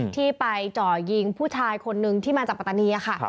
ที่ไปเจาะยิงผู้ชายคนนึงที่มาจากปะตะเนียค่ะครับ